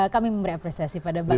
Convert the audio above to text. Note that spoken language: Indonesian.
kami memberi apresiasi pada pak yudhoy